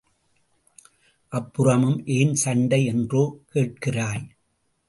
அப்புறமும் ஏன் சண்டை என்றா கேட்கிறாய்?